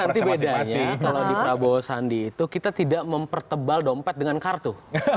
nanti bedanya kalau di prabowo sandi itu kita tidak mempertebal dompet dengan kartu